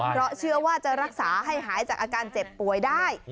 เพราะเชื่อว่าจะรักษาให้หายจากอาการเจ็บป่วยได้